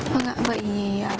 vâng ạ vậy